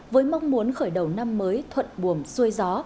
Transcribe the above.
với mong muốn khởi đầu năm mới thuận buồm xuôi gió